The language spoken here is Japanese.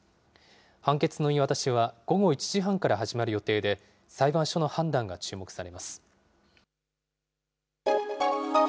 判決の言い渡しは、午後１時半から始まる予定で、裁判所の判断が注目されます。